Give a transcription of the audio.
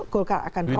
golkar akan rontok